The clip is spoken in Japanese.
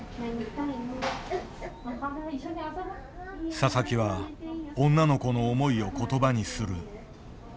佐々木は女の子の思いを言葉にする。